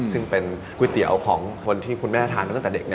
ซึ่งเป็นก๋วยเตี๋ยวของคนที่คุณแม่ทานมาตั้งแต่เด็ก